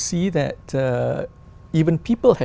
của bộ ngoại giao quân